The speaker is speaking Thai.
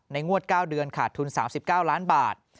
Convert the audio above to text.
งวด๙เดือนขาดทุน๓๙ล้านบาท